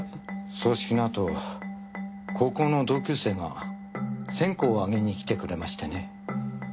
葬式のあと高校の同級生が線香をあげに来てくれましてね。